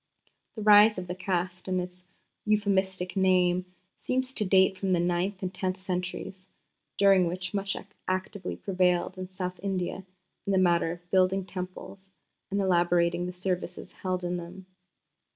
... The rise of the Caste and its euphemistic name seem to date from the ninth and tenth centuries, during which much activity prevailed in South India in the matter of building Temples and elaborating the services held in them.